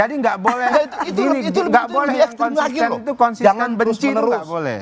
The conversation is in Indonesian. jadi nggak boleh yang konsisten itu konsistensi benci itu nggak boleh